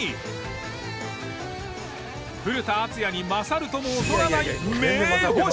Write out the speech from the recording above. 古田敦也に勝るとも劣らない名捕手。